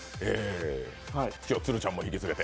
今日は鶴ちゃんも引き連れて。